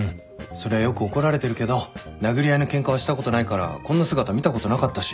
そりゃよく怒られてるけど殴り合いのケンカはしたことないからこんな姿見たことなかったし。